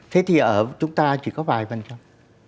thế thì ở chúng ta chỉ có vài phần công